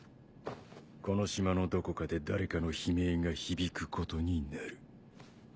この島のどこかで誰かの悲鳴が響くことになる。